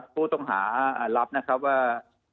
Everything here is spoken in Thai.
ผู้ต้องหารับว่า